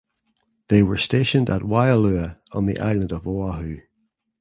They were stationed at Waialua on the island of Oahu.